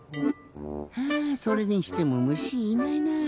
はあそれにしてもむしいないな。